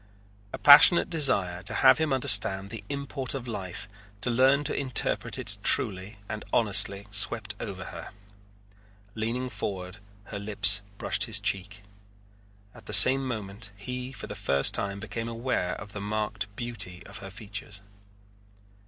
A passionate desire to have him understand the import of life, to learn to interpret it truly and honestly, swept over her. Leaning forward, her lips brushed his cheek. At the same moment he for the first time became aware of the marked beauty of her features.